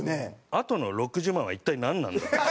あとの６０万は一体なんなんだ。